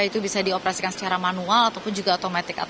itu bisa dioperasikan secara manual ataupun juga otomatik